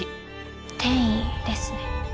転移ですね。